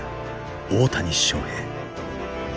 大谷翔平。